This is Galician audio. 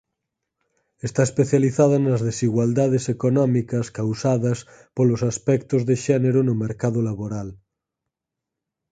Está especializada nas desigualdades económicas causadas polos aspectos de xénero no mercado laboral.